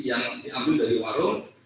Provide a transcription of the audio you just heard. yang diambil dari warung